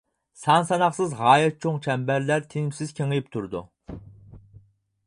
سان-ساناقسىز غايەت چوڭ چەمبەرلەر تىنىمسىز كېڭىيىپ تۇرىدۇ.